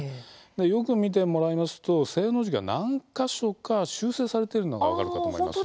よく見てもらいますと正の字が何か所か修正されているのが分かるかと思います。